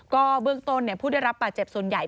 ก็เบื้องต้นผู้ได้รับบาดเจ็บส่วนใหญ่